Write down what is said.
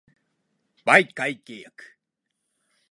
媒介契約